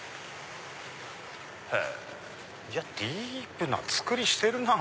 へぇいやディープな造りしてるなぁ。